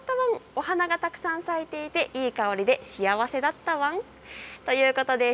お花がたくさん咲いていて、いい香りで幸せだったワンということです。